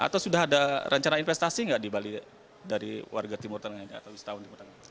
atau sudah ada rencana investasi nggak di bali dari warga timur tengah atau setahun timur tengah